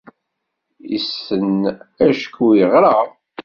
Issen acku iɣṛa.